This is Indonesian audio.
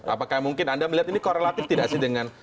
apakah mungkin anda melihat ini korelatif tidak sih dengan